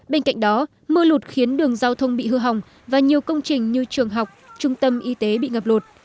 bên cạnh đó mưa lụt khiến đường giao thông bị hư hỏng và nhiều công trình như trường học trung tâm y tế bị ngập lụt